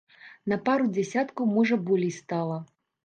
На пару дзясяткаў, можа, болей стала.